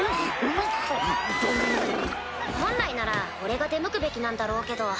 本来なら俺が出向くべきなんだろうけど。